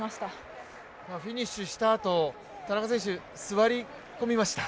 フィニッシュしたあと、田中選手座り込みました。